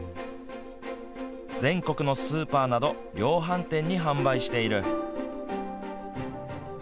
全国のスーパーなど量販店に販売している。